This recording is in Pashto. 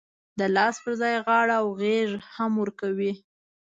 د لاس پر ځای غاړه او غېږ هم ورکوي.